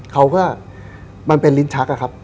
เขาก็มันเป็นลิ้นชักอะครับ